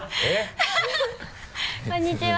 こんにちは。